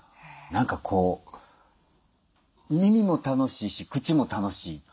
何かこう耳も楽しいし口も楽しい。